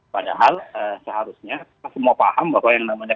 padahal seharusnya kita semua paham bahwa yang namanya